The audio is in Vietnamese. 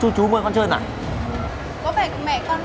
có vẻ mẹ con mặc áo đen quần trắng tóc ngắn đúng không